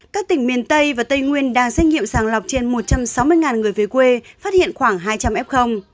các tỉnh miền tây và tây nguyên đang xét nghiệm sàng lọc trên một trăm sáu mươi người về quê phát hiện khoảng hai trăm linh f